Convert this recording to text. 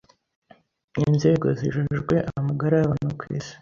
inzego zijejwe amagara y'abantu kw'isi